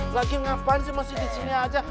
lagian ngapain sih masih disini aja